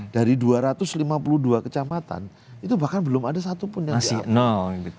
dari dua ratus lima puluh dua kecamatan itu bahkan belum ada satupun yang di